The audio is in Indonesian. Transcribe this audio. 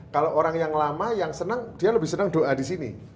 kalau orang yang lama yang senang dia lebih senang doa di sini